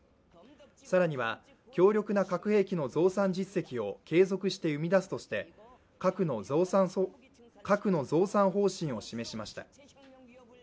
更には、強力な核兵器の増産実績を継続して生み出すとして核の増産方針を示しました。